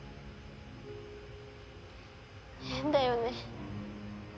変だよね。